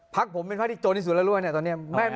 พักผมเป็นพักที่โจรที่สุดแล้วรวยเนี่ยตอนนี้